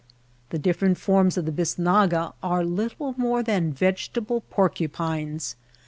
The different forms of the bisnaga are little more than vegetable por cupines.